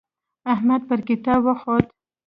احمد پر کتاب وخوت.